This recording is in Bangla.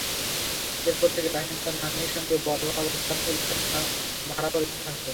এরপর থেকে রায়হান তার নানির সঙ্গে বল্লা বাজার এলাকায় ভাড়াবাড়িতে থাকত।